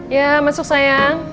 ya masuk sayang